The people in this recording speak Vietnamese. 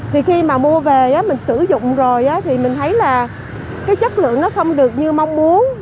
thì khi mà mua về mình sử dụng rồi thì mình thấy là cái chất lượng nó không được như mong muốn